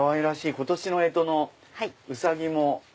今年の干支のウサギも。